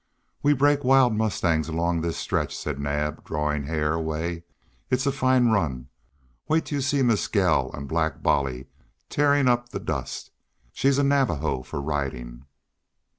"We break wild mustangs along this stretch," said Naab, drawing Hare away. "It's a fine run. Wait till you see Mescal on Black Bolly tearing up the dust! She's a Navajo for riding."